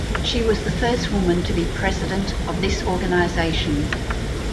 She was the first woman to be president of this organization.